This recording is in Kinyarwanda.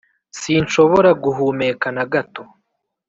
sinshobora guhumeka nagato